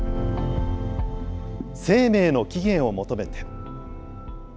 生命の起源を求めて。